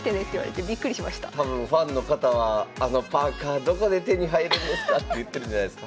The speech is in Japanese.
多分ファンの方は「あのパーカーどこで手に入るんですか？」って言ってるんじゃないすか？